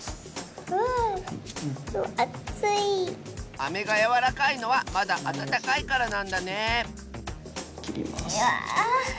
アメがやわらかいのはまだあたたかいからなんだねえきります。